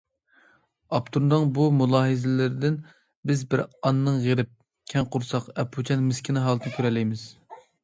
ئاپتورنىڭ بۇ مۇلاھىزىلىرىدىن بىز بىر ئانىنىڭ غېرىب، كەڭ قورساق، ئەپۇچان، مىسكىن ھالىتىنى كۆرەلەيمىز.